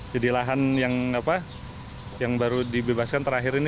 jadi lahan yang baru dibebaskan terakhir ini